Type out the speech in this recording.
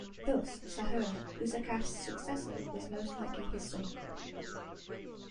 Thus, Sahure, Userkaf's successor was most likely his son.